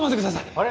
あれ？